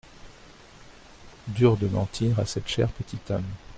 Dur de mentir à cette chère petite âme.